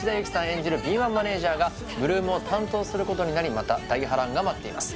演じる敏腕マネージャーが８ＬＯＯＭを担当することになりまた大波乱が待っています